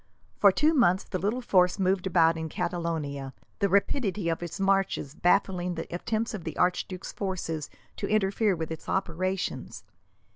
For two months the little force moved about in Catalonia, the rapidity of its marches baffling the attempts of the archduke's forces to interfere with its operations.